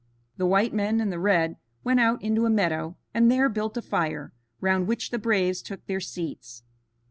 The white men and the red went out into a meadow and there built a fire, round which the braves took their seats.